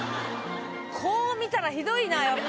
こう見たらひどいなやっぱ。